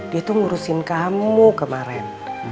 dia tuh ngurusin kamu kemarin